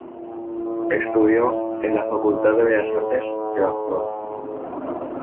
Estudió en la Facultad de Bellas Artes de Barcelona.